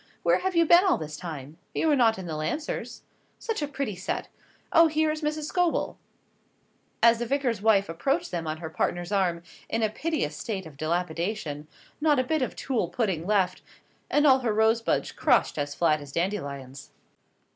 Where have you been all this time? You were not in the Lancers. Such a pretty set. Oh, here is Mrs. Scobel!" as the Vicar's wife approached them on her partner's arm, in a piteous state of dilapidation not a bit of tulle puffing left, and all her rosebuds crushed as flat as dandelions.